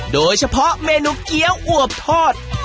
โดยเฉพาะเมนูเกี้ยวอวบทอด